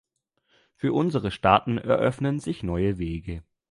Für unsere Staaten eröffnen sich neue Wege.